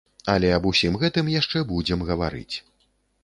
Але аб усім гэтым яшчэ будзем гаварыць.